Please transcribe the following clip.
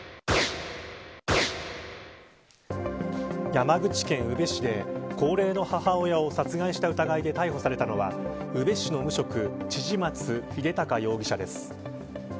山口県宇部市で高齢の母親を殺害した疑いで逮捕されたのは宇部市の無職千々松秀高容疑者です。